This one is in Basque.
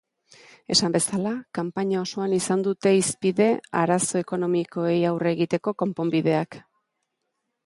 Esan bezala, kanpaina osoan izan dute hizpide arazo ekonomikoei aurre egiteko konponbideak.